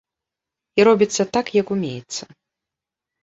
І робіцца так, як умеецца.